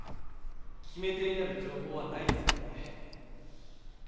決め手になるじょうほうはないですかね？